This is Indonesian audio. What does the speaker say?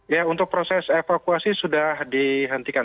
ya untuk proses evakuasi sudah dihentikan